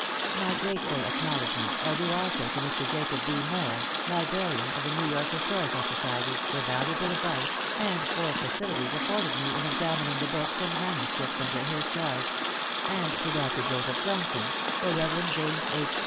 My grateful acknowledgments are due also to Mr. Jacob B. Moore, Librarian of the New York Historical Society, for valuable advice, and for facilities afforded me in examining the books and manuscripts under his, charge; and to Dr. Joseph Johnson, the Rev. James H.